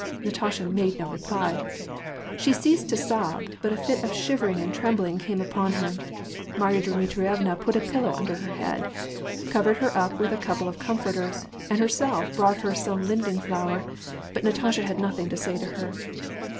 Natasha made no reply. She ceased to sob, but a fit of shivering and trembling came upon her. Marya Dmitrievna put a pillow under her head, covered her up with a couple of comforters, and herself brought her some linden flower, but Natasha had nothing to say to her.